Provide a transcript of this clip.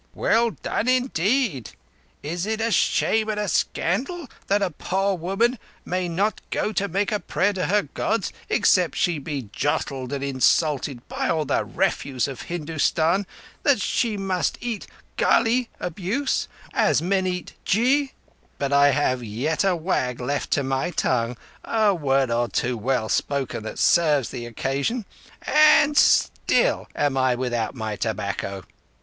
"Well done, indeed? It is a shame and a scandal that a poor woman may not go to make prayer to her Gods except she be jostled and insulted by all the refuse of Hindustan—that she must eat gâli (abuse) as men eat ghi. But I have yet a wag left to my tongue—a word or two well spoken that serves the occasion. And still am I without my tobacco!